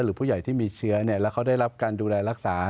หรือผู้ใหญ่ที่มีเชื้อแล้วเขาได้รับการดูแลรักษา